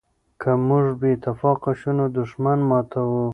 که موږ بې اتفاقه شو نو دښمن مو ماتوي.